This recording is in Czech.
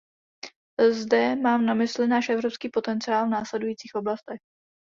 Zde mám na mysli náš evropský potenciál v následujících oblastech.